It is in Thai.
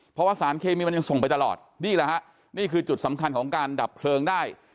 เพราะว่าสารเคมีมันยังส่งไปตลอดนี่แหละฮะนี่คือจุดสำคัญของการดับเพลิงได้